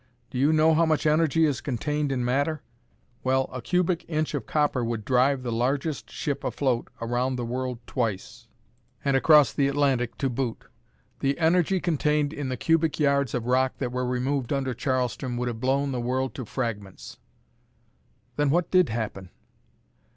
Do you know how much energy is contained in matter? Well, a cubic inch of copper would drive the largest ship afloat around the world twice, and across the Atlantic to boot. The energy contained in the cubic yards of rock that were removed under Charleston would have blown the world to fragments." "Then what did happen?"